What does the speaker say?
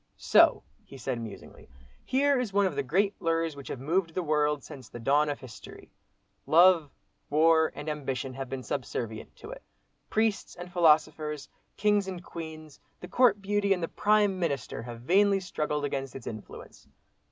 "So," he said musingly, "here is one of the great lures which have moved the world since the dawn of history. Love, war, and ambition, have been subservient to it. Priests and philosophers, kings and queens, the court beauty and the Prime Minister, have vainly struggled against its influence.